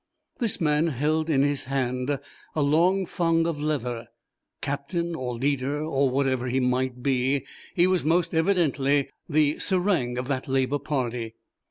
This man held in his hand a long thong of leather. Captain or leader, or whatever he might be, he was most evidently the serang of that labour party.